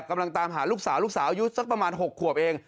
กำลังตามหาลูกสาวลูกสาวอายุสักประมาณ๖ขวบเอง